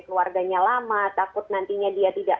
keluarganya lama takut nantinya dia tidak